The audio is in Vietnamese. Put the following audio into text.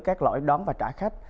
các loại đón và trả khách